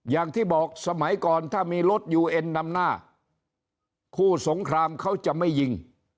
อย่างที่บอกสมัยก่อนถ้ามีรถยูเอ็นนำหน้าคู่สงครามเขาจะไม่ยิง